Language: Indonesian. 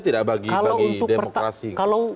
tidak bagi demokrasi